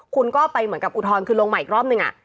คุณก็ไปเหมือนกับอุทธรณ์คือลงมาอีกรอบนึง